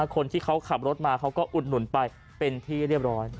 คนที่เขาขับรถมาเขาก็อุดหนุนไปเป็นที่เรียบร้อย